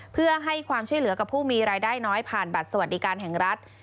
เพื่อให้ความช่วยเหลือกับผู้มีรายได้น้อยผ่านบัตรสวัสดิการแห่งรัฐ